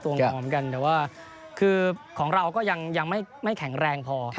ตัวงอมกันแต่ว่าของเราก็ยังไม่แข็งแรงพอ